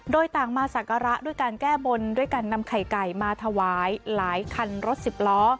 โดยต่างมาสักการะด้วยการแก้บนด้วยการนำไข่ไก่มาถวายหลายคันรถสิบล้อ